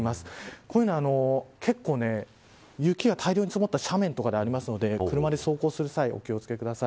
こういうのは結構、雪が大量に積もった斜面とかであるので車で走行する際お気を付けください。